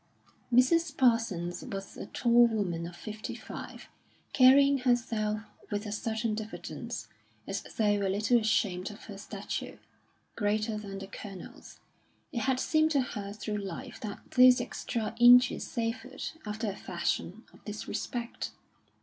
Mrs. Parsons was a tall woman of fifty five, carrying herself with a certain diffidence, as though a little ashamed of her stature, greater than the Colonel's; it had seemed to her through life that those extra inches savoured, after a fashion, of disrespect.